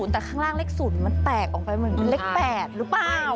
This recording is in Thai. แต่ข้างล่างเลข๐มันแตกออกไปเหมือนเป็นเลข๘หรือเปล่า